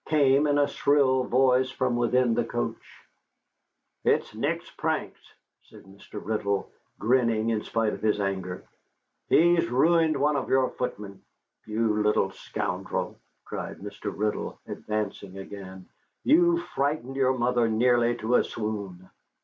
came in a shrill voice from within the coach. "It's Nick's pranks," said Mr. Riddle, grinning in spite of his anger; "he's ruined one of your footmen. You little scoundrel," cried Mr. Riddle, advancing again, "you've frightened your mother nearly to a swoon."